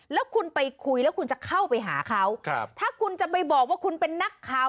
แล้วคุณไปคุยแล้วคุณจะเข้าไปหาเขาถ้าคุณจะไปบอกว่าคุณเป็นนักข่าว